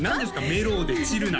「メロウでチルな」